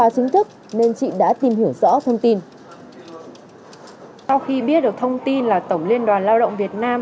sau khi biết được thông tin là tổng liên đoàn lao động việt nam